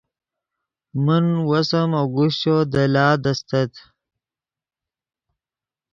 من وس ام اگوشچو دے لاد استت